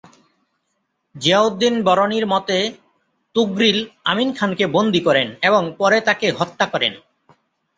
জিয়াউদ্দীন বরনীর মতে, তুগরিল আমীন খানকে বন্দি করেন এবং পরে তাঁকে হত্যা করেন।